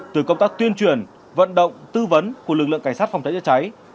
từ công tác tuyên truyền vận động tư vấn của lực lượng cảnh sát phòng cháy chữa cháy